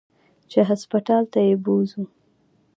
چې هسپتال ته يې بوځي.